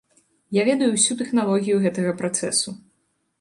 Я ведаю ўсю тэхналогію гэтага працэсу.